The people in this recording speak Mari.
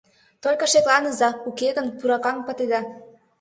— Только шекланыза, уке гын, пуракаҥ пытеда.